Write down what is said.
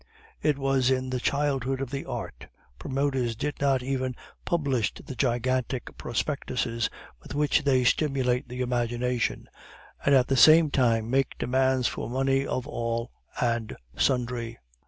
It was in the childhood of the art. Promoters did not even publish the gigantic prospectuses with which they stimulate the imagination, and at the same time make demands for money of all and sundry."